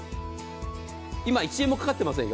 今、１円もかかってませんよ。